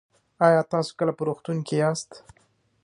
ایا تاسو کله په روغتون کې یاست؟